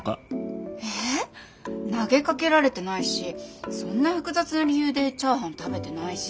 投げかけられてないしそんな複雑な理由でチャーハン食べてないし。